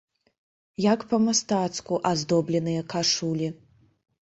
Як па-мастацку аздобленыя кашулі!